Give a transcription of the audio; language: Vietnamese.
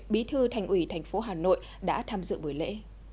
bí thư thành ủy thành phố hà nội đã tham dự buổi lễ